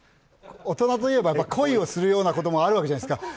大人といえば恋をするようなこともあるわけじゃないですか。